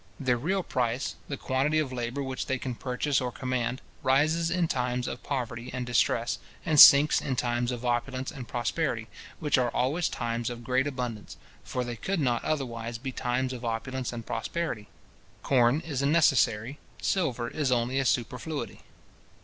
Their real price, the quantity of labour which they can purchase or command, rises in times of poverty and distress, and sinks in times of opulence and prosperity, which are always times of great abundance; for they could not otherwise be times of opulence and prosperity. Corn is a necessary, silver is only a superfluity.